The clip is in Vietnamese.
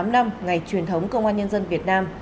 bảy mươi tám năm ngày truyền thống công an nhân dân việt nam